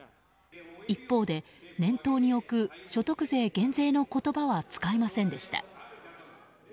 一方で、念頭に置く所得税減税の言葉は使いませんでした。